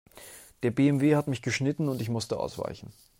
Der BMW hat mich geschnitten und ich musste ausweichen.